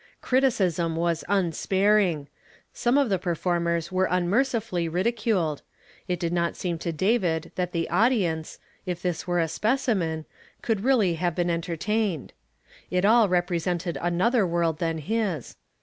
Criticism was unsparing: some of the performed were unmercifully ridiculed; it did not seem to David that the audience, if this wciv a specimen, could really have been entertained. It all represented another world than his.